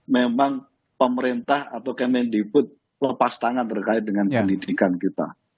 memang pemerintah atau kemendikbud lepas tangan terkait dengan pendidikan kita